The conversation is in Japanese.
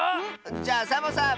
じゃあサボさん。